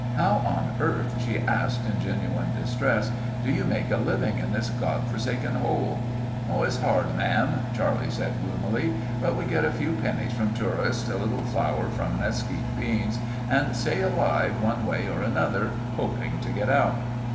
"How on earth," she asked in genuine distress, "do you make a living in this God forsaken hole?" "It's hard ma'am," Charlie said gloomily. "But we get a few pennies from tourists, a little flour from mesquite beans, and stay alive one way or another, hoping to get out."